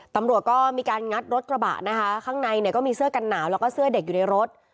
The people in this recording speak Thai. ตำรวจก็มีการงัดรถกระบะนะคะข้างในเนี่ยก็มีเสื้อกันหนาวแล้วก็เสื้อเด็กอยู่ในรถ